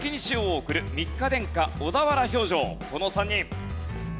この３人。